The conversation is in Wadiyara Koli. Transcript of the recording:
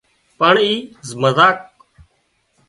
پڻ اي مزاق